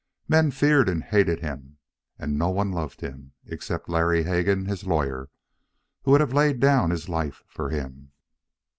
Men feared and hated him, and no one loved him, except Larry Hegan, his lawyer, who would have laid down his life for him.